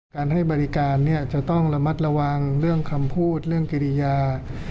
การให้บริการจะต้องระมัดระวังเรื่องคำพูดเรื่องกิริยา